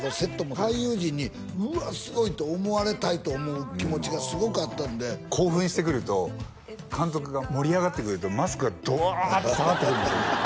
俳優陣に「うわすごい」と思われたいと思う気持ちがすごかったんで興奮してくると監督が盛り上がってくるとマスクがドワーッて下がってくるんですよ